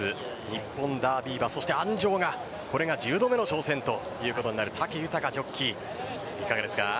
日本ダービー馬、そして鞍上が１０度目の挑戦ということになる武豊ジョッキー。